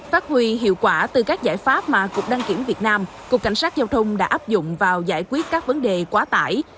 phát huy hiệu quả từ các giải pháp mà cục đăng kiểm việt nam cục cảnh sát giao thông đã áp dụng vào giải quyết các vấn đề quá tải